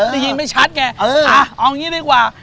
ได้ยินไม่ชัดไงเอางี้ดีกว่า